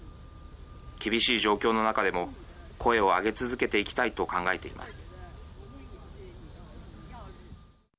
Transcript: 厳しい状況の中でも声を上げ続けていきたいと考えています。